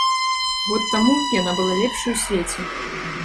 Год таму яна была лепшай у свеце.